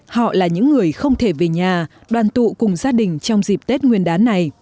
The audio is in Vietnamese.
họ là những người không thể về nhà đoàn tụ cùng gia đình trong dịp tết nguyên đán này